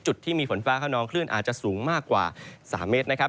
จุดที่มีฝนฟ้าขนองคลื่นอาจจะสูงมากกว่า๓เมตรนะครับ